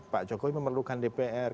pak jokowi memerlukan dpr